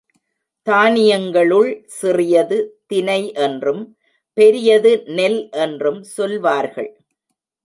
தானியங்களுள் சிறியது தினை என்றும், பெரியது நெல் என்றும் சொல்வார்கள்.